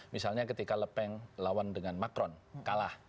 misalnya ketika lepeng lawan dengan macron kalah